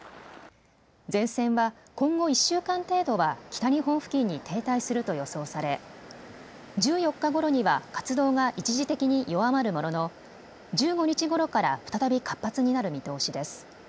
前線は今後１週間程度は北日本付近に停滞すると予想され１４日ごろには活動が一時的に弱まるものの１５日ごろから再び活発になる見通しです。